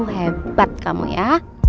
hebat kamu ya